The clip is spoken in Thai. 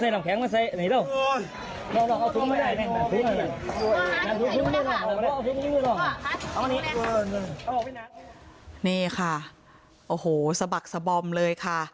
นี่ค่ะโอ้โหสะบักสะบอมเลยค่ะ